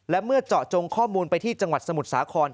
และเมื่อเจาะจงข้อมูลไปที่จังหวัดสมุทรสาคร